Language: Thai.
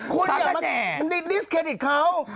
คุณอย่ามาดิสเครดิตเขา